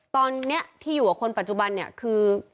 ตอนนี้ที่อยู่กับคนปัจจุบันเนี่ยคือ